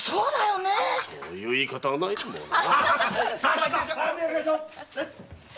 そういう言いかたはないと思うな。